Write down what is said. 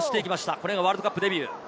これがワールドカップデビュー。